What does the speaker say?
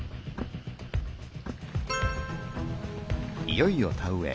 いよいよ田植え。